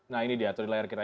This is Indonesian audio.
nah ini dia tuh di layar kita